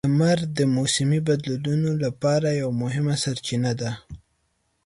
لمر د موسمي بدلونونو لپاره یوه مهمه سرچینه ده.